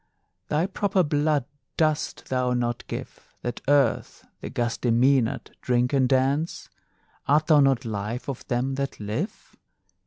Thy proper blood dost thou not give, That Earth, the gusty Mænad, drink and dance? Art thou not life of them that live?